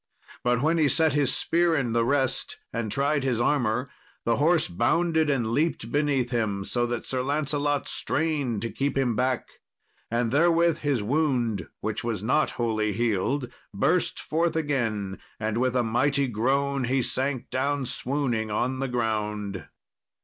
But when he set his spear in the rest and tried his armour, the horse bounded and leapt beneath him, so that Sir Lancelot strained to keep him back. And therewith his wound, which was not wholly healed, burst forth again, and with a mighty groan he sank down swooning on the ground.